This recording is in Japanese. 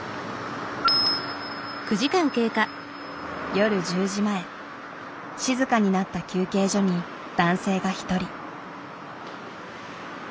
夜１０時前静かになった休憩所に男性が一人。